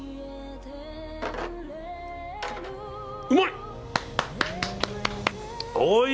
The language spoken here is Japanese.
うまい！